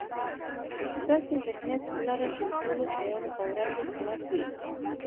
داسې ذهنيت ولره چې د ټولو شیانو په وړاندې خلاص وي.